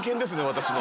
私の。